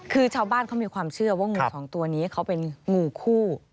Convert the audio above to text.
คือชาวบ้านเขามีความเชื่อว่างูสองตัวนี้เขาเป็นงูคู่